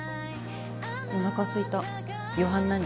お腹すいた夕飯何？